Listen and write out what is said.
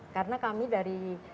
karena kami dari